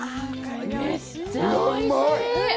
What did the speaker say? めっちゃおいしい！